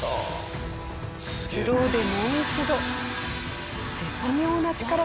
スローでもう一度。